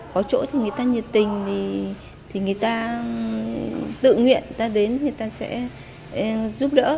có chỗ thì người ta nhiệt tình người ta tự nguyện người ta đến sẽ giúp đỡ